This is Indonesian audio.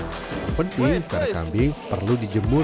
yang penting karena kambing perlu dijemur